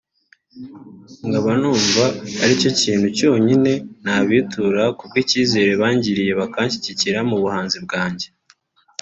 nkaba numva aricyo kintu cyonyine nabitura ku bwicyizere bangiriye bakanshyigikira mu buhanzi bwanjye